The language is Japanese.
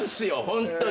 ホントに。